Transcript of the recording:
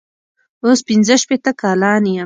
اوس پنځه شپېته کلن یم.